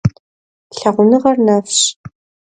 Лъагъуныгъэр нэфщ.